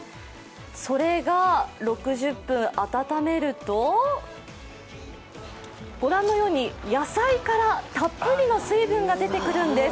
それが６０分、温めると御覧のように野菜からたっぷりの水分が出てくるんです。